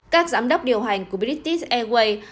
các giám đốc điều hành của british airways